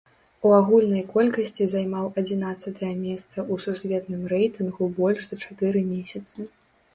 У агульнай колькасці займаў адзінаццатае месца ў сусветным рэйтынгу больш за чатыры месяцы.